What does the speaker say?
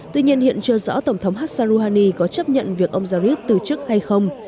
tuy nhiên hiện chưa rõ tổng thống hassan rouhani có chấp nhận việc ông zarif từ chức hay không